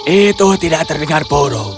itu tidak terdengar poro